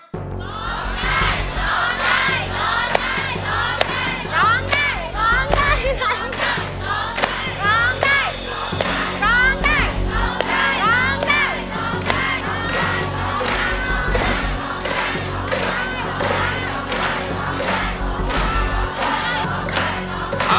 ร้องได้